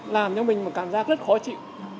làm cho mình một cảm giác rất khó chịu